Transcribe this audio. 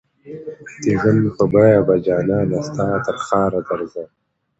د ژوند په بیه به جانانه ستا ترښاره درځم